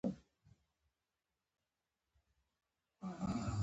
په مانا پېژندنه کښي موږ د نخښو او ماناوو ترمنځ ارتباط پلټو.